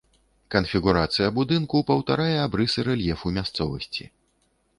Канфігурацыя будынка паўтарае абрысы рэльефу мясцовасці.